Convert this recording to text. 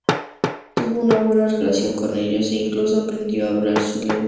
Tuvo una buena relación con ellos, e incluso aprendió a hablar su lengua.